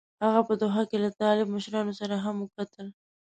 هغه په دوحه کې له طالب مشرانو سره هم وکتل.